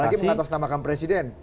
apalagi mengatasnamakan presiden